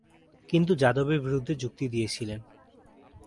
কিন্তু যাদব এর বিরুদ্ধে যুক্তি দিয়েছিলেন।